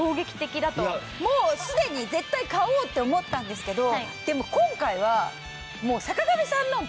もうすでに絶対買おうって思ったんですけど。